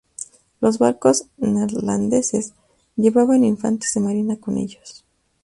Los barcos neerlandeses llevaban infantes de marina con ellos.